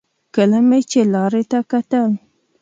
کله مې چې لارې ته کتل.